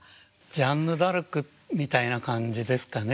ジャンヌ・ダルクみたいな感じですかね。